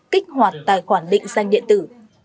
kích hoạt tài khoản định danh điện tử